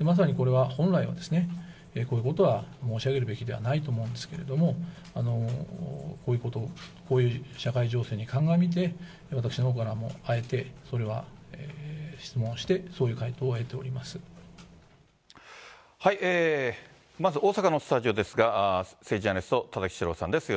まさにこれは本来のこういうことは申し上げるべきではないと思うんですけれども、こういうこと、こういう社会情勢に鑑みて、私のほうからも、あえてそれは質問して、そういう回答を得ておりまず大阪のスタジオですが、政治ジャーナリスト、田崎史郎さんです。